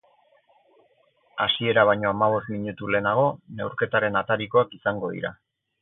Hasiera baino hamabost minutu lehenago, neurketaren atarikoak izango dira.